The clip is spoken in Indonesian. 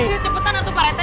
iya cepetan dong tuh pak rata